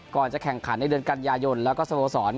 ก่อนจะแข่งขันในเดือนกันยายนแล้วก็สโมสร